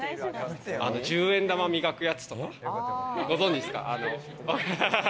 １０円玉磨くやつとか、ご存じですか？